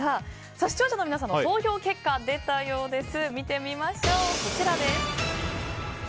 視聴者の皆さんの投票結果出たようです。